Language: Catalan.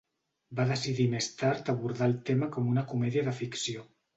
Va decidir més tard abordar el tema com una comèdia de ficció.